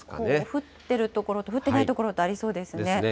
降ってる所と降ってない所とありそうですね。